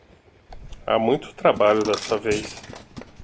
Há muito trabalho desta vez.